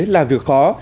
là việc khó